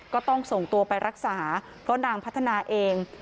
ก็ต้องส่งตัวไปรักษาเพราะนางพัฒนาเอง